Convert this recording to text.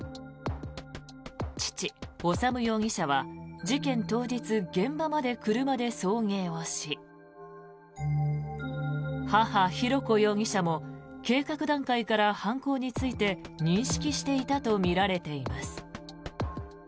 父・修容疑者は事件当日、現場まで車で送迎をし母・浩子容疑者も計画段階から犯行について認識していたとみられています。